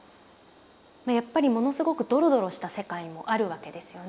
やっぱりものすごくドロドロした世界もあるわけですよね。